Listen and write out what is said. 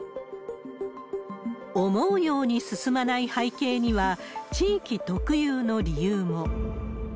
思うように進まない背景には、地域特有の理由も。